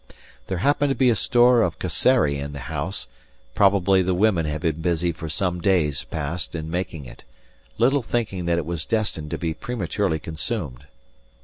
There happened to be a store of casserie in the house; probably the women had been busy for some days past in making it, little thinking that it was destined to be prematurely consumed.